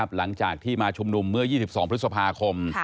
หลังจากที่มาชุมนุมเมื่อ๒๒พฤษภาคม